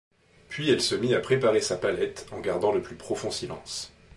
Puis elle se mit à préparer sa palette en gardant le plus profond silence.